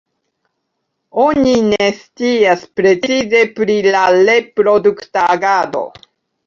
Oni ne scias precize pri la reprodukta agado.